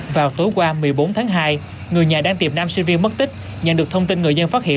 vào tối qua một mươi bốn tháng hai người nhà đang tìm nam sinh viên mất tích nhận được thông tin người dân phát hiện